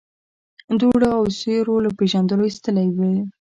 دوړو او سيورو له پېژندلو ايستلي ول.